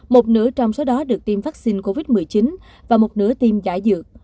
một nửa trong số đó được tìm vaccine covid một mươi chín và một nửa tìm giả dược